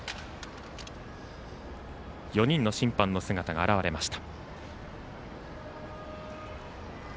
４人の審判の姿が現れました。